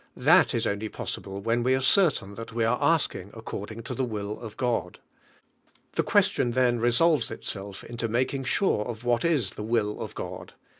That is only possible when we are certain that we are asking according to the will of God. The question then resolves itself into making sure of what is the will of God.